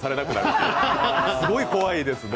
すごい怖いですね。